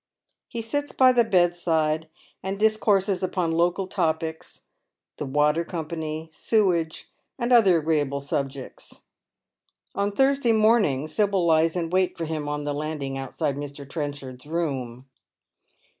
He sits by the bedside and discourses upon local topics — the water company, sewage, and other agreeable subjects. On Thursday morning Sibyl lies in wait for him on the landing outside Mr. Trenchard's room.